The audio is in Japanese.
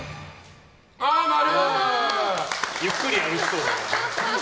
ゆっくり歩きそう。